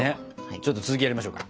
ちょっと続きをやりましょうか。